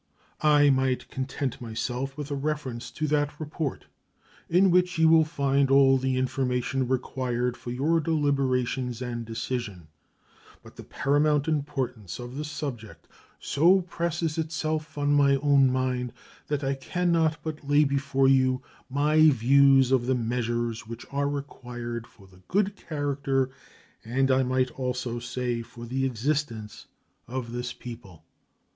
I might content myself with a reference to that report, in which you will find all the information required for your deliberations and decision, but the paramount importance of the subject so presses itself on my own mind that I can not but lay before you my views of the measures which are required for the good character, and I might almost say for the existence, of this people.